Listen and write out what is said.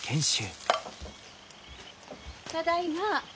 ただいま。